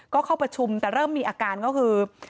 ก็เข้าประชุมแต่เริ่มมีอาการก็คือ